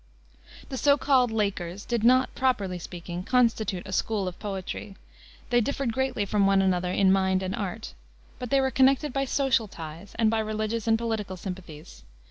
The so called "Lakers" did not, properly speaking, constitute a school of poetry. They differed greatly from one another in mind and art. But they were connected by social ties and by religious and political sympathies.